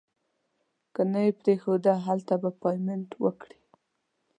که نه یې پرېښود هلته به پیمنټ وکړي.